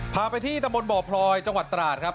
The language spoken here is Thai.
พาไปที่ตะบนบ่อพลอยจังหวัดตราดครับ